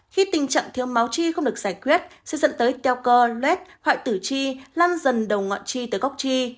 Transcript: khi tình trạng thiếu máu chi không được giải quyết sẽ dẫn tới teo cơ lết hoại tử chi lan dần đầu ngọn chi tới góc chi